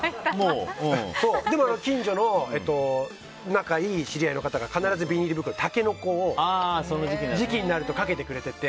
でも、近所の仲いい知り合いの方が必ずビニール袋にタケノコを時期になると掛けてくれてて。